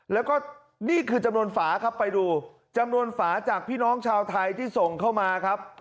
แล้วก็นี่คือจำนวนฝาครับไปดูจำนวนฝาจากพี่น้องชาวไทยที่ส่งเข้ามาครับ